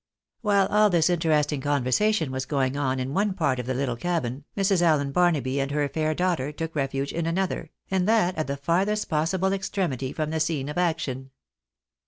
While all this interesting conversation was going on in one part of the little cabin, Mrs. Allen Barnaby and her fair daughter took refuge in another, and that at the farthest possible extremity from the scene of action.